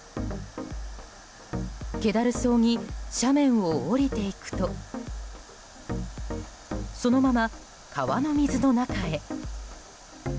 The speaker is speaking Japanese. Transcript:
けだるそうに斜面を下りていくとそのまま川の水の中へ。